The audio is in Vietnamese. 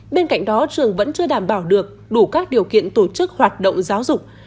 bên cạnh đó trường vẫn chưa đảm bảo được đủ các điều kiện tổ chức hoạt động giáo dục